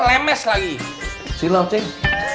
lagi ada penyidikan penting